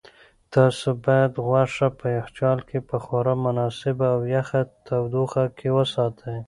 تاسو باید غوښه په یخچال کې په خورا مناسبه او یخه تودوخه کې وساتئ.